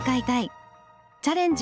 「チャレンジ！